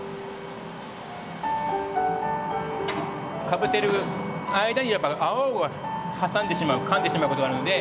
かぶせる間にやっぱ泡を挟んでしまうかんでしまうことがあるので。